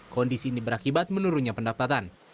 kondisi ini berakibat menurunnya pendapatan